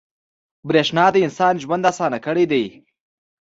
• برېښنا د انسان ژوند اسانه کړی دی.